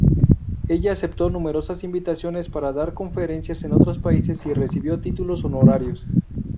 Ella aceptó numerosas invitaciones para dar conferencias en otros países y recibió títulos honorarios.